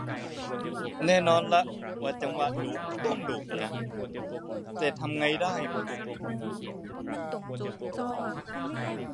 แน่นอนว่าจังหวะดุก็ต้องดุอะนะ แต่ทำไงให้พอดี